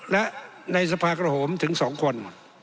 และในสภากระโหมถึง๒คน